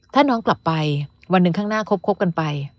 ถ้าน้องกลับไปวันหนึ่งข้างหน้าคบกันไป